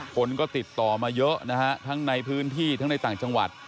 คนก็ติดต่อมาเยอะนะฮะทั้งในพื้นที่ทั้งในต่างจังหวัด